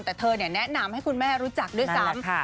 แต่เธอแนะนำให้คุณแม่รู้จักด้วยซ้ำ